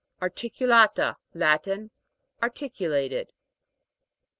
ARTI'CULATA. Latin. Articulated.